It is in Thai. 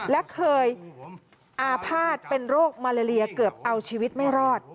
และเคยอาภาษณ์เป็นโรคมาเลเลียเกือบเอาชีวิตไม่รอด